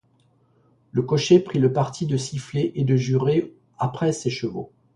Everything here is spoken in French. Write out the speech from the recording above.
Le cocher prit le parti de siffler et de jurer après ses chevaux.